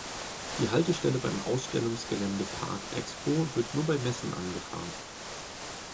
Die Haltestelle beim Ausstellungsgelände „Parc Expo“ wird nur bei Messen angefahren.